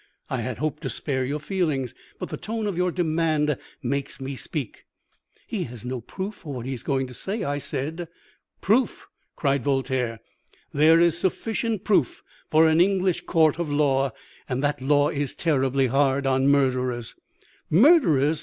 I had hoped to spare your feelings, but the tone of your demand makes me speak.' "'He has no proof for what he is going to say,' I said. "'Proof!' cried Voltaire. 'There is sufficient proof for an English court of law, and that law is terribly hard on murderers.' "'Murderers!'